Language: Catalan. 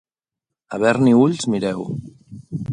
Haver-n'hi ulls mireu.